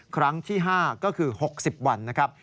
ครั้งที่๕ก็คือ๖๐วันนะครับ